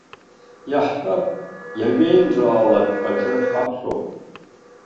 Иаҳҳәап, иажәеинраалак аҿы ҳаԥхьоит.